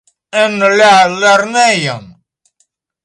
En la lernejon?